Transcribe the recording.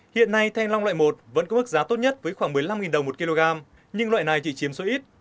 hiện nay thanh long loại một vẫn có mức giá tốt nhất với khoảng một mươi năm đồng một kg nhưng loại này chỉ chiếm số ít